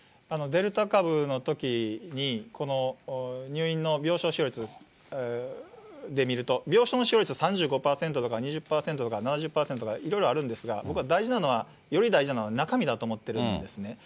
デルタ株のときに、入院の病床使用率で見ると、病床の使用率は３５％とか２０％とか、７０％とか、いろいろあるんですが、僕は大事なのは、より大事なのは中身だと思ってるんですね。